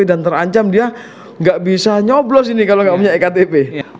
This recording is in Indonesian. dan terancam dia gak bisa nyoblos ini kalau gak punya ektp